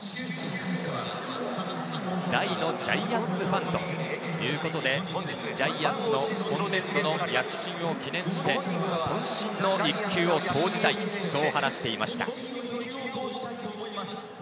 大のジャイアンツファンということで本日、ジャイアンツの今年度の躍進を祈念して一球を投じたい、そう話していました。